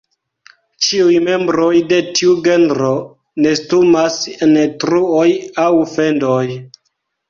Ĉiuj membroj de tiu genro nestumas en truoj aŭ fendoj.